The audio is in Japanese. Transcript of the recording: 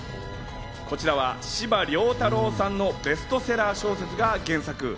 こちらは司馬遼太郎さんのベストセラー小説が原作。